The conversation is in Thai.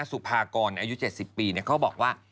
สุภากรอายุ๗๐ปีเขาบอกว่า